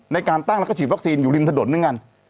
ในการตั้งแล้วก็ฉีดวัคซีนอยู่ริมถนนเหมือนกัน